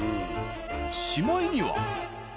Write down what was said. しまいには。